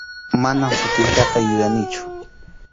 Manam sutintaqa yuyanichu.